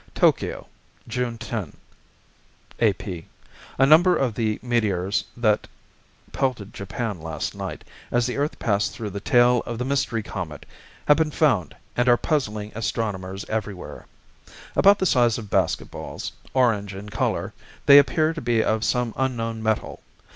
Spawn of the Comet By H. Thompson Rich Tokyo, June 10 (AP). A number of the meteors that pelted Japan last night, as the earth passed through the tail of the Mystery Comet have been found and are puzzling astronomers everywhere. About the size of baseballs, orange in color, they appear to be of some unknown metal.